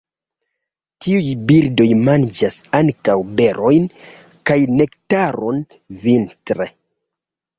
Tiuj birdoj manĝas ankaŭ berojn kaj nektaron vintre.